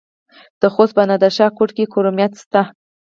د خوست په نادر شاه کوټ کې کرومایټ شته.